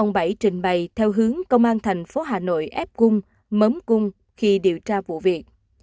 bảy trình bày theo hướng công an thành phố hà nội ép cung mớm cung khi điều tra vụ việc